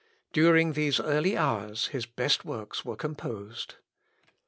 During these early hours his best works were composed.